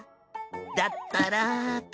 だったらと。